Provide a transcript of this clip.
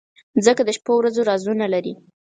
مځکه د شپو ورځو رازونه لري.